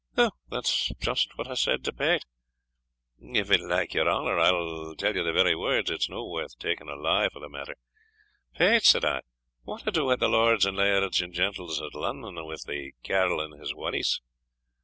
"Ou, that's just what I said to Pate; if it like your honour, I'll tell you the very words; it's no worth making a lie for the matter 'Pate,' said I, 'what ado had the lords and lairds and gentles at Lunnun wi' the carle and his walise?